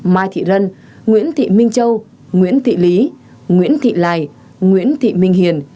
mai thị rân nguyễn thị minh châu nguyễn thị lý nguyễn thị lài nguyễn thị minh hiền